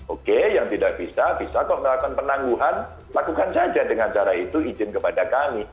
oke yang tidak bisa bisa kok melakukan penangguhan lakukan saja dengan cara itu izin kepada kami